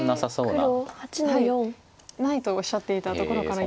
ないとおっしゃっていたところから。